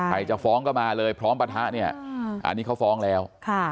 จะฟ้องก็มาเลยพร้อมปะทะเนี่ยอันนี้เขาฟ้องแล้ว